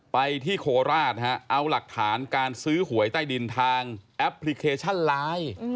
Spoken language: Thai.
ไปที่โคราชเอาหลักฐานการซื้อหวยใต้ดินทางแอปพลิเคชันไลน์